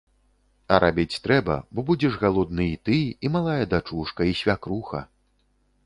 А рабіць трэба, бо будзеш галодны і ты, і малая дачушка, і свякруха.